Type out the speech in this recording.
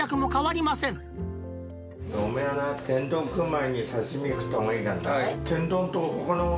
おめえはな、天丼食う前に刺身食ったほうがいいかんな。